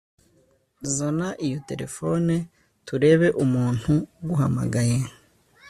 zana iyo telephone turebe umuntu uguhamagaye